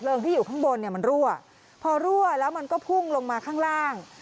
ที่อยู่ข้างบนเนี่ยมันรั่วพอรั่วแล้วมันก็พุ่งลงมาข้างล่าง